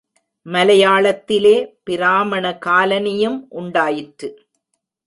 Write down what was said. மலையாளத்திலே, பிராமண காலனி யும் உண்டாயிற்று.